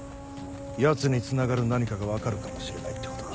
ヤツにつながる何かが分かるかもしれないってことか。